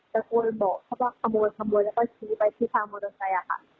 แต่คนบอกเขาว่าขโมยแล้วก็ชี้ไปที่ทางมอเตอร์ไซย่าค่ะ